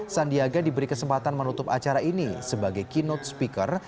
sandiaga diberi kesempatan menutup acara ini sebagai keynote speaker